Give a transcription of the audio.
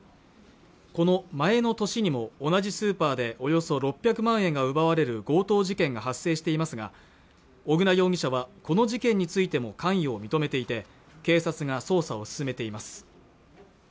この前の年にも同じスーパーでおよそ６００万円が奪われる強盗事件が発生していますが小椋容疑者はこの事件についても関与を認めていて警察が捜査を進めています